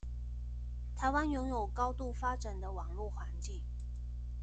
臺灣擁有高度發展的網路環境